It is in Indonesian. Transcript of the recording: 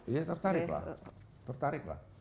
iya tertarik lah tertarik lah